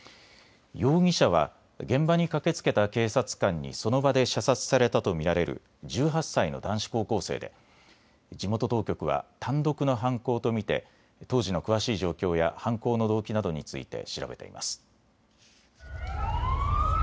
容疑者は現場に駆けつけた警察官にその場で射殺されたと見られる１８歳の男子高校生で地元当局は単独の犯行と見て当時の詳しい状況や犯行の動機などについて調べています。